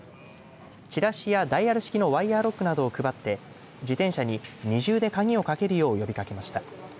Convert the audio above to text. チラシやダイヤル式のワイヤーロックなどを配って自転車に二重で鍵をかけるよう呼びかけました。